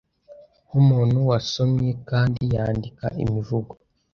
Nkumuntu wasomye kandi yandika imivugo